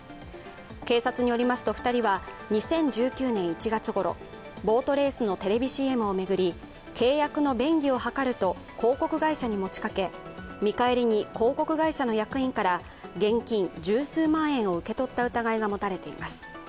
警察によりますと２人は、２０１９年１月ごろ、ボートレースのテレビＣＭを巡り、契約の便宜を図ると広告会社に持ちかけ見返りに広告会社の役員から現金十数万円を受け取った疑いが持たれています。